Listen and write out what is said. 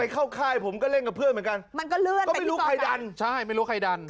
ก็ไม่รู้ใครดัน